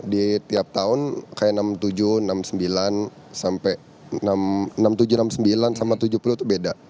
di tiap tahun kayak enam puluh tujuh enam puluh sembilan sampai enam puluh tujuh enam puluh sembilan sama tujuh puluh itu beda